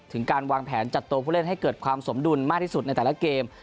ถึงการวางแผนจัดตัวผู้เล่นให้เกิดความสมดุลมากที่สุดในแต่ละเกม